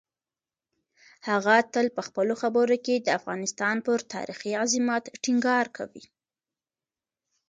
هغه تل په خپلو خبرو کې د افغانستان پر تاریخي عظمت ټینګار کوي.